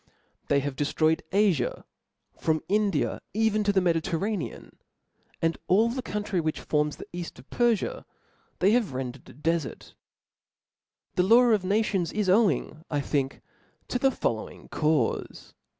They have deftroyed Afia, from India, even to the Medi terranean ; and all the country which forms the eaft of Perfia, they have rendered a defart. This law of nations is owing, I think, to the following caufe.